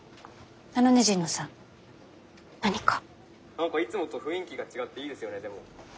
「何かいつもと雰囲気が違っていいですよねでも」。